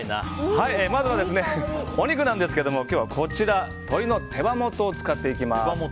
まずは、お肉なんですが今日はこちら、鶏の手羽元を使っていきます。